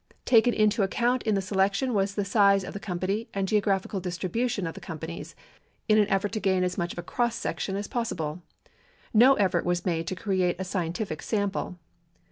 Taken into account in the selection was the size of the com pany and geographical distribution of the companies, in an effort to gain as much of a cross section as possible. No effort was made to create a scientific sample.